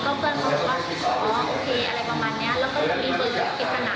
ที่ส่งมาคุณแขกด้วยแล้วก็คือว่าอยู่ดีนางสาวก็ส่งเบอร์นี้ให้เพื่อนเขา